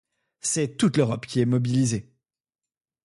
C'est toute l'Europe qui est mobilisée.